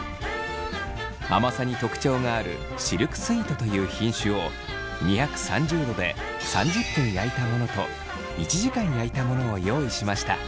甘さに特徴があるシルクスイートという品種を２３０度で３０分焼いたものと１時間焼いたものを用意しました。